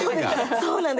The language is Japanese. そうなんです。